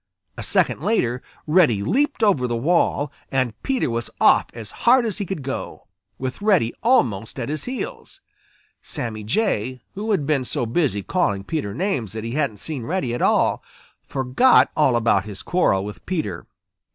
A second later, Reddy leaped over the wall, and Peter was off as hard as he could go, with Reddy almost at his heels. Sammy Jay, who had been so busy calling Peter names that he hadn't seen Reddy at all, forgot all about his quarrel with Peter.